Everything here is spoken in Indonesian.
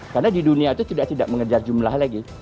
karena di dunia itu tidak tidak mengejar jumlah lagi